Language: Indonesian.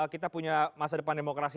kita punya masa depan demokrasi